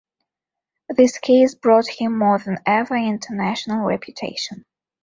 This case brought him more than ever into national reputation.